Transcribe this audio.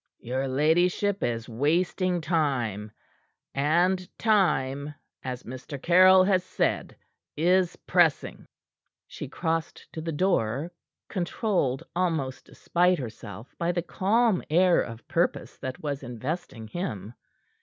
"Your ladyship is wasting time, and time, as Mr. Caryll has said, is pressing." She crossed to the door, controlled almost despite herself by the calm air of purpose that was investing him.